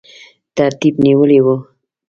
ترتیب نیولی وو.